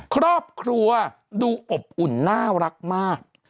ครอบครัวดูอบอุ่นน่ารักมาก